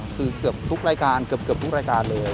คือเกือบทุกรายการเลย